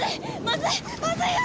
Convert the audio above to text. まずいよ！